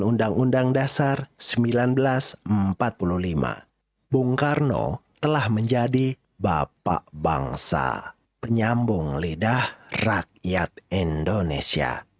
undang undang dasar seribu sembilan ratus empat puluh lima bung karno telah menjadi bapak bangsa penyambung lidah rakyat indonesia